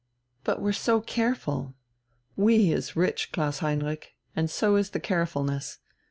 "But we're so careful!" "'We' is rich, Klaus Heinrich, and so is the carefulness.